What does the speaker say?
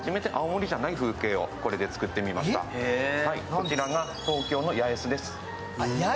こちらが東京の八重洲です。